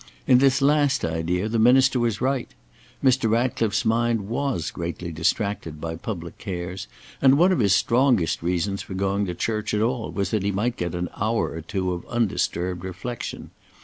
In this last idea, the minister was right. Mr. Ratcliffe's mind was greatly distracted by public cares, and one of his strongest reasons for going to church at all was that he might get an hour or two of undisturbed reflection.